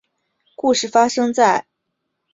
故事发生在维多利亚时代的伦敦。